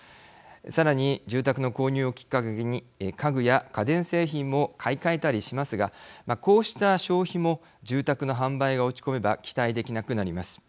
さらに住宅の購入をきっかけに家具や家電製品も買い替えたりしますがこうした消費も住宅の販売が落ち込めば期待できなくなります。